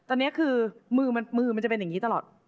ตอนนี้คือมือมันจะเป็นอย่างนี้ตลอด